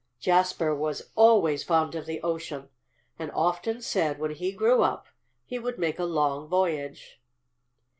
Jasper was always fond of the ocean, and often said, when he grew up, he would make a long voyage."